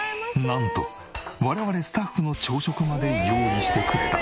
なんと我々スタッフの朝食まで用意してくれた。